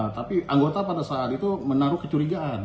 tapi anggota pada saat itu menaruh kecurigaan